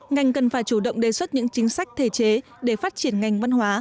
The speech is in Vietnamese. ngành cần phải chủ động đề xuất những chính sách thể chế để phát triển ngành văn hóa